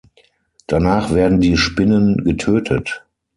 Danach werden die Spinnen getötet.